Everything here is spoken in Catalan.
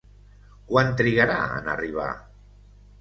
Quant trigarà en arribar?